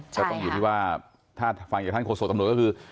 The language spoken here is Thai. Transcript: ก็ต้องอยู่ที่ว่าถ้าฟังอย่างท่านโคสต์ส่วนตำนวยก็คือ